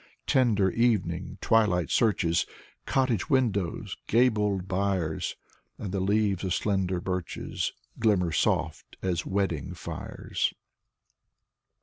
Tender evening twilight searches Cottage windows, gabled byres, And the leaves of slender birches Glimmer soft as wedding fires.